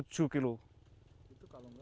itu kalau enggak